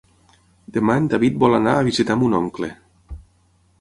Demà en David vol anar a visitar mon oncle.